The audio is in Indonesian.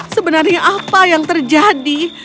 sebenarnya apa yang terjadi